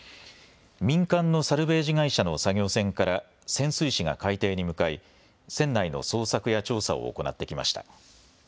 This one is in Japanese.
民間のサルベージ会社の作業船から潜水士が海底に向かい船内の捜索や調査を行ってきました。